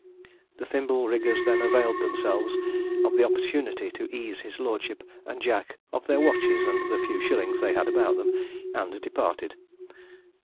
The thimble riggers then availed themselves of the opportunity to ease his lordship and Jack of their watches and the few shillings they had about them, and departed.